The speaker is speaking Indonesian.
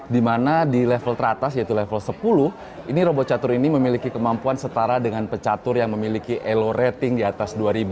di mana di level teratas yaitu level sepuluh ini robot catur ini memiliki kemampuan setara dengan pecatur yang memiliki elo rating di atas dua